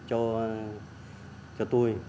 ông nói cho tôi